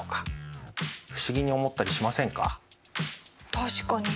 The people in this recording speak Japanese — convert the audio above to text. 確かに。